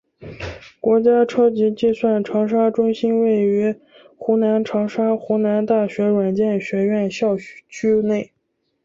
国家超级计算长沙中心位于湖南长沙湖南大学软件学院校区内。